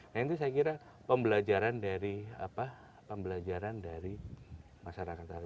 nah itu saya kira pembelajaran dari pembelajaran dari masyarakat tadi